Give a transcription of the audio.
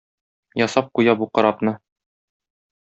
Ясап куя бу корабны.